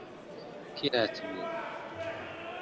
کێ هاتبوو؟